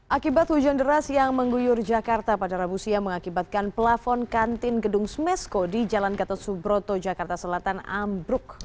akibat hujan deras yang mengguyur jakarta pada rabu siang mengakibatkan pelafon kantin gedung smesko di jalan gatot subroto jakarta selatan ambruk